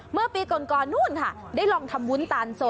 เมื่อปีก่อนนู่นค่ะได้ลองทำวุ้นตานสด